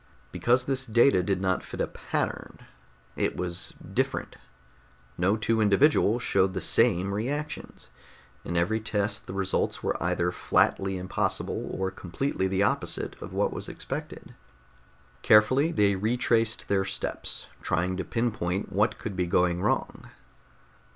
Because this data did not fit a pattern. It was different. No two individuals showed the same reactions. In every test the results were either flatly impossible or completely the opposite of what was expected. Carefully they retraced their steps, trying to pinpoint what could be going wrong.